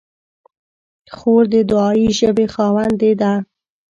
خور د دعایي ژبې خاوندې ده.